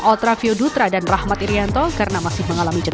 otravio dutra dan rahmat irianto karena masih mengalami cedera